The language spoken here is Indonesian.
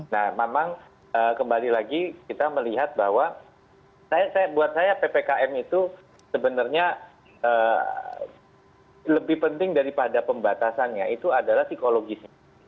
nah memang kembali lagi kita melihat bahwa buat saya ppkm itu sebenarnya lebih penting daripada pembatasannya itu adalah psikologisnya